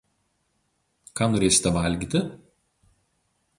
Ką norėsite valgyti?